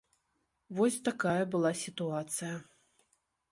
Вось такая была сітуацыя.